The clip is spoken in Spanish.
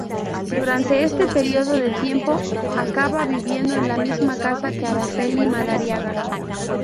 Durante este período de tiempo acaba viviendo en la misma casa que Araceli Madariaga.